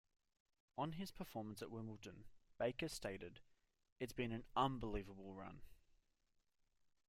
On his performance at Wimbledon, Baker stated - It's been an unbelievable run.